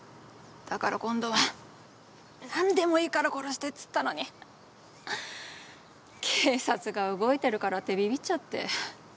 だから今度はなんでもいいから殺してって言ったのに警察が動いてるからってビビッちゃって。